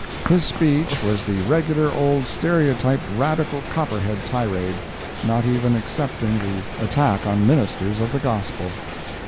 His speech was the regular old stereotyped Radical Copperhead tirade—not even excepting the attack on ministers of the gospel.